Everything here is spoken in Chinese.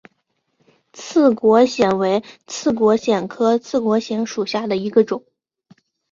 刺果藓为刺果藓科刺果藓属下的一个种。